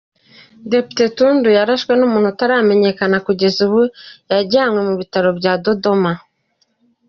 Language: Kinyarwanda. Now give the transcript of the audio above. Depite Tundu yarashwe n’umuntu utaramenyekana kugeza ubu; yajyanwe mu bitaro bya Dodoma.